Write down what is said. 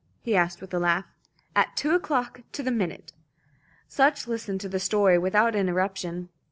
he asked with a laugh. "At two o'clock to the minute." Sutch listened to the story without an interruption.